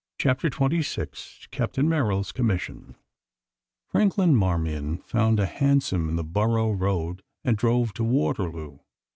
CHAPTER XXVI CAPTAIN MERRILL'S COMMISSION Franklin Marmion found a hansom in the Borough Road and drove to Waterloo.